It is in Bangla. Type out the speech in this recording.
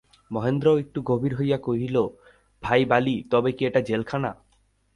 মহেন্দ্রও একটু গম্ভীর হইয়া কহিল, ভাই বালি, এটা কি তবে জেলখানা।